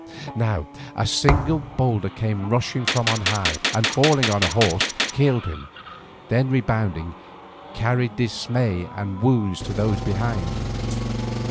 Now a single boulder came rushing from on high, and falling on a horse, killed him, then rebounding, carried dismay and wounds to those behind.